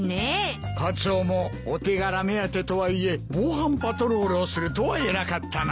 カツオもお手柄目当てとはいえ防犯パトロールをするとは偉かったな。